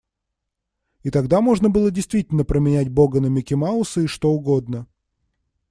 И тогда можно было действительно променять Бога на Микки Мауса и что угодно.